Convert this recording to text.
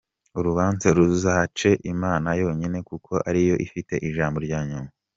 Urubanza ruzace Imana yonyine kuko ariyo ifite ijambo rya nyuma!